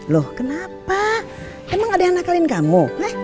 loh kenapa emang ada anak lain kamu